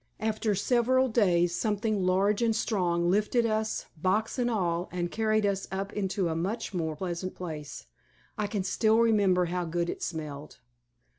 After several days, something large and strong lifted us, box and all, and carried us up into a much more pleasant place; I can still remember how good it smelled.